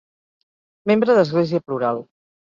Membre d'Església Plural.